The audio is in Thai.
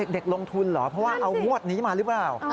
เด็กลงทุนเหรอเพราะว่าเอางวดนี้มาหรือเปล่า